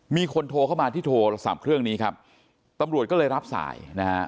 มีคนโทรเข้ามาที่โทรศัพท์เครื่องนี้ครับตำรวจก็เลยรับสายนะฮะ